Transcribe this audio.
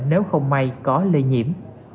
nếu không may có lây nhiễm